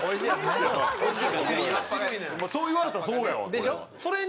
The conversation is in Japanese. そう言われたらそうやわこれは。